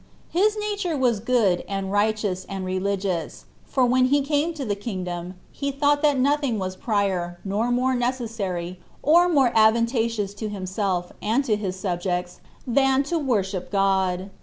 His nature was good, and righteous, and religious; for when he came to the kingdom, he thought that nothing was prior, or more necessary, or more advantageous to himself, and to his subjects, than to worship God.